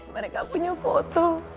mereka punya foto